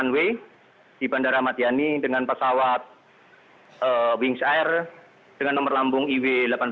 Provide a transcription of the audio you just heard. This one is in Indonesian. wings air dengan nomor lambung iw seribu delapan ratus sembilan puluh enam